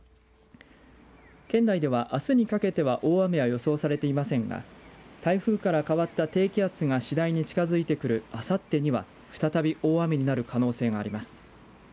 県内では、あすにかけては大雨は予想されていませんが台風から変わった低気圧が次第に近づいてくるあさってには再び大雨になる可能性があります。